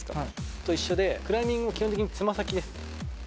と、一緒で、クライミングも基本的につま先です。